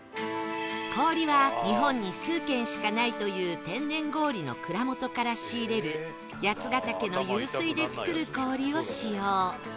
氷は日本に数軒しかないという天然氷の蔵元から仕入れる八ケ岳の湧水で作る氷を使用